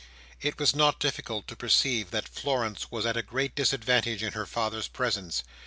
It was not difficult to perceive that Florence was at a great disadvantage in her father's presence.